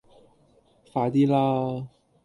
快啲啦